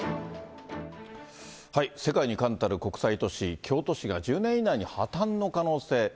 世界に冠たる国際都市、京都市が１０年以内に破綻の可能性。